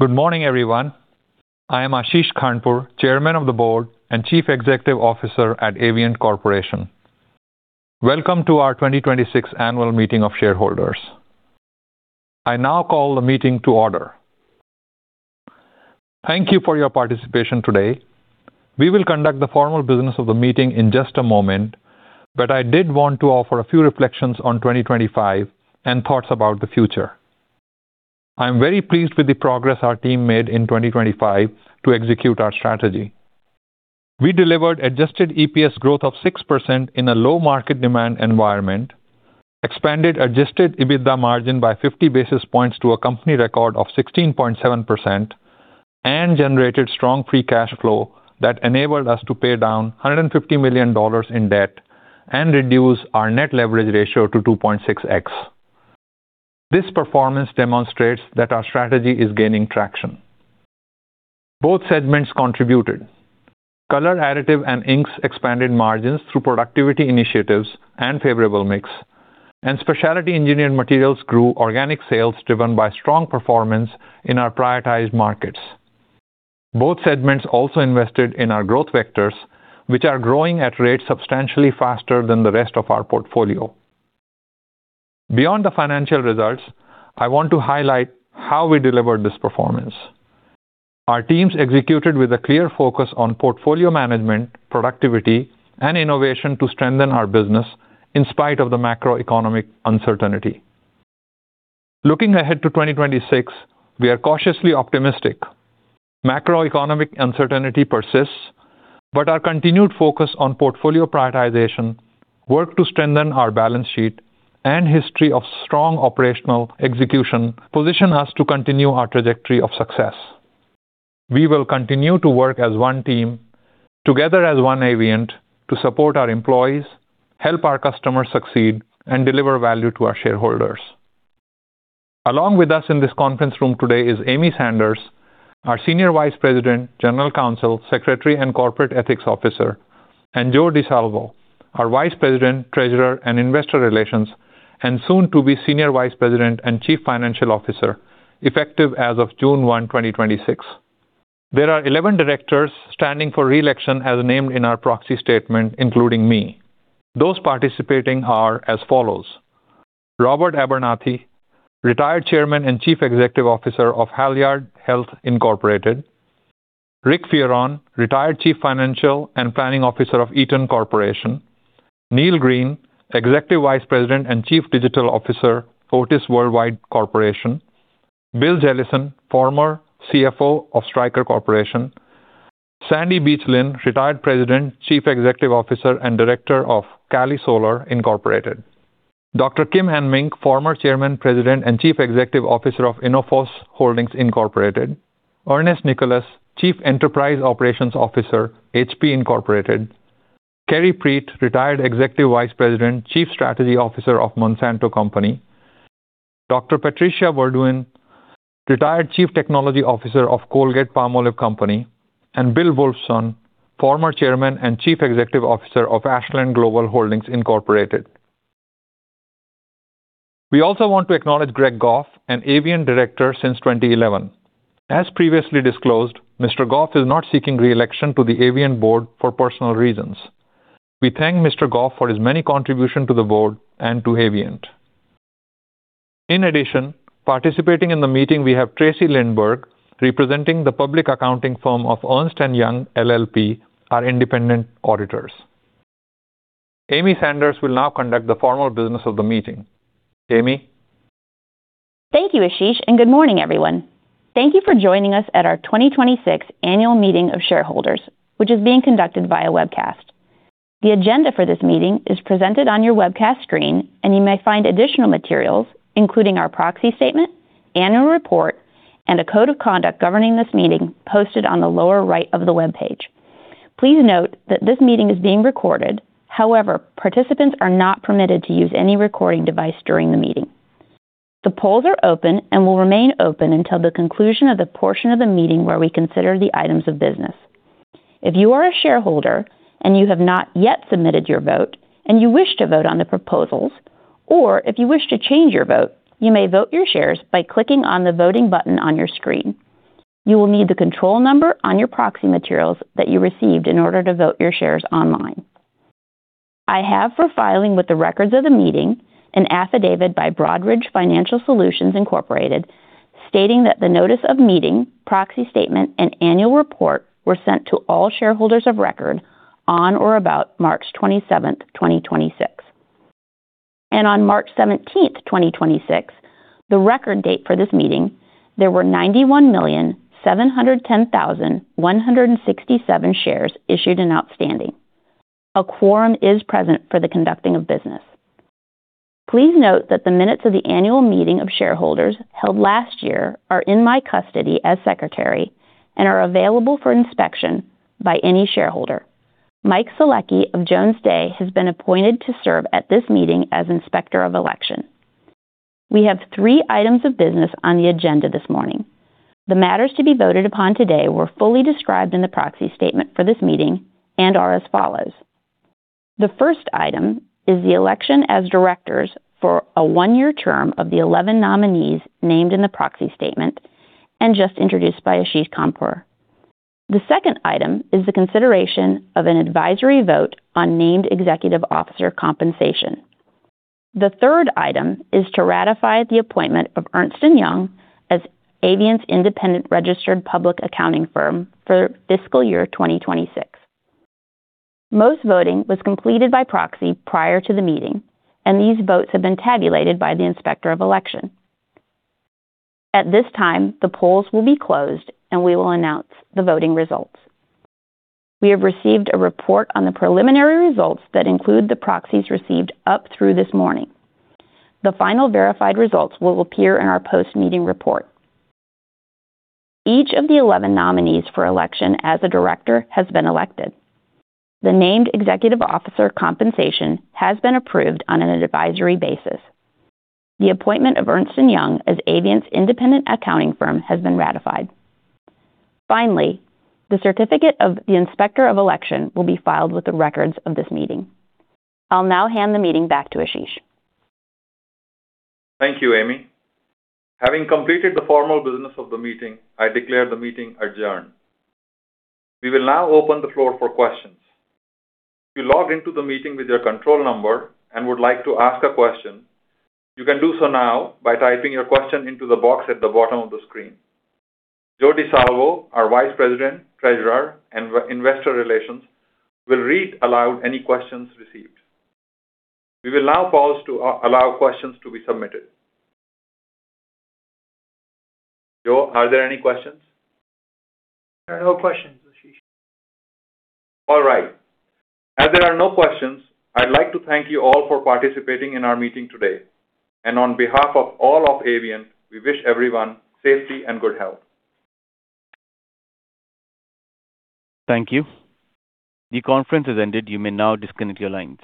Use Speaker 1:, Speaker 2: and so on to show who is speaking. Speaker 1: Good morning, everyone. I am Ashish Khandpur, Chairman of the Board and Chief Executive Officer at Avient Corporation. Welcome to our 2026 Annual Meeting of Shareholders. I now call the meeting to order. Thank you for your participation today. We will conduct the formal business of the meeting in just a moment, but I did want to offer a few reflections on 2025 and thoughts about the future. I am very pleased with the progress our team made in 2025 to execute our strategy. We delivered adjusted EPS growth of 6% in a low market demand environment, expanded adjusted EBITDA margin by 50 basis points to a company record of 16.7%, and generated strong free cash flow that enabled us to pay down $150 million in debt and reduce our net leverage ratio to 2.6x. This performance demonstrates that our strategy is gaining traction. Both segments contributed. Color, Additives and Inks expanded margins through productivity initiatives and favorable mix, and Specialty Engineered Materials grew organic sales driven by strong performance in our prioritized markets. Both segments also invested in our growth vectors, which are growing at rates substantially faster than the rest of our portfolio. Beyond the financial results, I want to highlight how we delivered this performance. Our teams executed with a clear focus on portfolio management, productivity, and innovation to strengthen our business in spite of the macroeconomic uncertainty. Looking ahead to 2026, we are cautiously optimistic. Macroeconomic uncertainty persists, our continued focus on portfolio prioritization, work to strengthen our balance sheet, and history of strong operational execution position us to continue our trajectory of success. We will continue to work as one team together as one Avient to support our employees, help our customers succeed, and deliver value to our shareholders. Along with us in this conference room today is Amy Sanders, our Senior Vice President, General Counsel, Secretary, and Corporate Ethics Officer, and Joe Di Salvo, our Vice President, Treasurer, and Investor Relations, and soon to be Senior Vice President and Chief Financial Officer, effective as of June 1, 2026. There are 11 directors standing for re-election as named in our proxy statement, including me. Those participating are as follows: Robert Abernathy, Retired Chairman and Chief Executive Officer of Halyard Health, Inc. Rick Fearon, Retired Chief Financial and Planning Officer of Eaton Corporation. Neil Green, Executive Vice President and Chief Digital Officer, Otis Worldwide Corporation. Bill Jellison, Former CFO of Stryker Corporation. Sandra Beach Lin, Retired President, Chief Executive Officer, and Director of Calisolar Incorporated. Dr. Kim Ann Mink, Former Chairman, President, and Chief Executive Officer of Innophos Holdings Incorporated. Ernest Nicolas, Chief Enterprise Operations Officer, HP Incorporated. Kerry J. Preete, Retired Executive Vice President, Chief Strategy Officer of Monsanto Company. Dr. Patricia Verduin, Retired Chief Technology Officer of Colgate-Palmolive Company. William A. Wulfsohn, Former Chairman and Chief Executive Officer of Ashland Global Holdings Incorporated. We also want to acknowledge Greg Goff, an Avient Director since 2011. As previously disclosed, Mr. Goff is not seeking re-election to the Avient board for personal reasons. We thank Mr. Goff for his many contribution to the board and to Avient. In addition, participating in the meeting, we have Tracy Lindberg, representing the public accounting firm of Ernst & Young LLP, our independent auditors. Amy Sanders will now conduct the formal business of the meeting. Amy.
Speaker 2: Thank you, Ashish, and good morning, everyone. Thank you for joining us at our 2026 Annual Meeting of Shareholders, which is being conducted via webcast. The agenda for this meeting is presented on your webcast screen, and you may find additional materials, including our proxy statement, annual report, and a code of conduct governing this meeting posted on the lower right of the webpage. Please note that this meeting is being recorded. However, participants are not permitted to use any recording device during the meeting. The polls are open and will remain open until the conclusion of the portion of the meeting where we consider the items of business. If you are a shareholder and you have not yet submitted your vote and you wish to vote on the proposals, or if you wish to change your vote, you may vote your shares by clicking on the voting button on your screen. You will need the control number on your proxy materials that you received in order to vote your shares online. I have for filing with the records of the meeting an affidavit by Broadridge Financial Solutions, Inc., stating that the notice of meeting, proxy statement, and annual report were sent to all shareholders of record on or about March 27th, 2026. On March 17th, 2026, the record date for this meeting, there were 91,710,167 shares issued and outstanding. A quorum is present for the conducting of business. Please note that the minutes of the annual meeting of shareholders held last year are in my custody as secretary and are available for inspection by any shareholder. Mike Solecki of Jones Day has been appointed to serve at this meeting as Inspector of Election. We have three items of business on the agenda this morning. The matters to be voted upon today were fully described in the proxy statement for this meeting and are as follows. The 1st item is the election as directors for a 1-year term of the 11 nominees named in the proxy statement and just introduced by Ashish Khandpur. The 2nd item is the consideration of an advisory vote on named executive officer compensation. The third item is to ratify the appointment of Ernst & Young as Avient's independent registered public accounting firm for fiscal year 2026. Most voting was completed by proxy prior to the meeting, and these votes have been tabulated by the Inspector of Election. At this time, the polls will be closed, and we will announce the voting results. We have received a report on the preliminary results that include the proxies received up through this morning. The final verified results will appear in our post-meeting report. Each of the 11 nominees for election as a director has been elected. The named Executive Officer Compensation has been approved on an advisory basis. The appointment of Ernst & Young as Avient's independent accounting firm has been ratified. Finally, the certificate of the Inspector of Election will be filed with the records of this meeting. I'll now hand the meeting back to Ashish.
Speaker 1: Thank you, Amy. Having completed the formal business of the meeting, I declare the meeting adjourned. We will now open the floor for questions. If you logged into the meeting with your control number and would like to ask a question, you can do so now by typing your question into the box at the bottom of the screen. Joe Di Salvo, our Vice President, Treasurer, and Investor Relations, will read aloud any questions received. We will now pause to allow questions to be submitted. Joe, are there any questions?
Speaker 3: There are no questions, Ashish.
Speaker 1: All right. As there are no questions, I'd like to thank you all for participating in our meeting today. On behalf of all of Avient, we wish everyone safety and good health.
Speaker 4: Thank you. The conference has ended. You may now disconnect your lines.